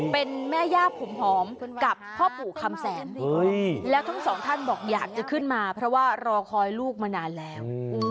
เป็นแม่ย่าผมหอมกับพ่อปู่คำแสนแล้วทั้งสองท่านบอกอยากจะขึ้นมาเพราะว่ารอคอยลูกมานานแล้ว